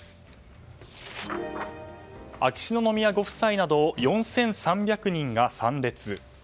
秋篠宮ご夫妻など４３００人が参列。